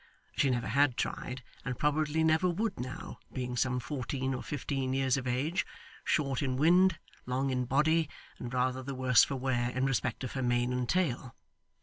She never had tried, and probably never would now, being some fourteen or fifteen years of age, short in wind, long in body, and rather the worse for wear in respect of her mane and tail.